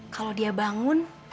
kalau dia bangun